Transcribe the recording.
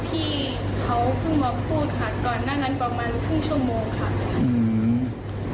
ที่เขาเพิ่งมาพูดค่ะก่อนหน้านั้นประมาณครึ่งชั่วโมงค่ะอืม